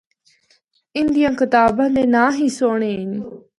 اندیاں کتاباں دے ناں ہی سہنڑے ہن۔